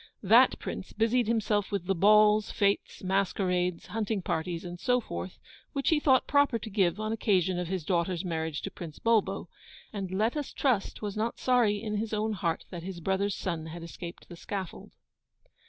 That Prince busied himself with the balls, fetes, masquerades, hunting parties, and so forth, which he thought proper to give on occasion of his daughter's marriage to Prince Bulbo; and let us trust was not sorry in his own heart that his brother's son had escaped the scaffold.